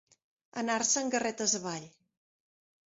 Anar-se'n garretes avall.